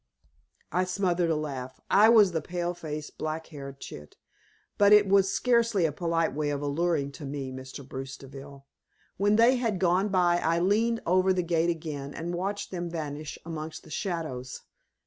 I smothered a laugh. I was the pale faced, black haired chit, but it was scarcely a polite way of alluding to me, Mr. Bruce Deville. When they had gone by I leaned over the gate again, and watched them vanish amongst the shadows.